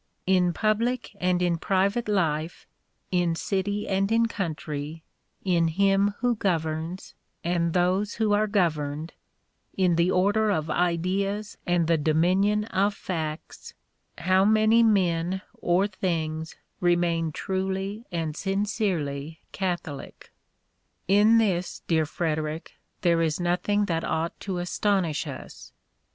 In public and in private life, in city and in country, in him who governs, and those who are governed, in the order of ideas and the dominion of facts, how many men or things remain truly and sincerely Catholic? 232 The Sign .if the Cross In this, dear Frederic, there is nothing that ought to astonish us.